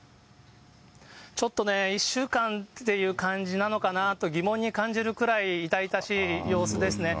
ちょっとね、１週間という感じなのかなと疑問に感じるくらい痛々しい様子ですね。